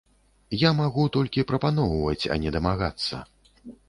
Я магу толькі прапаноўваць, а не дамагацца.